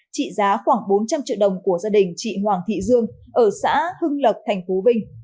trị giá khoảng bốn trăm linh triệu đồng của gia đình chị hoàng thị dương ở xã hưng lộc tp vinh